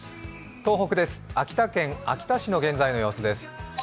東北です、秋田県秋田市の現在の様子です。